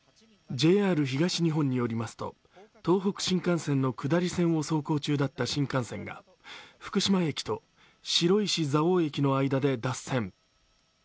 ＪＲ東日本によりますと東北新幹線の下り線を走行中だった新幹線が福島駅と白石蔵王駅の間で脱線。